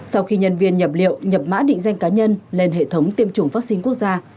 sau khi nhân viên nhập liệu nhập mã định danh cá nhân lên hệ thống tiêm chủng vaccine quốc gia